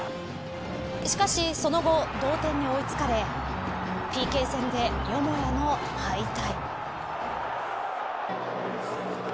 しかし、その後同点に追いつかれＰＫ戦で、よもやの敗退。